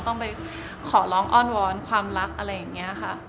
ต้องไปขอร้องอ้อนวอนความรักอะไรอย่างนี้ค่ะ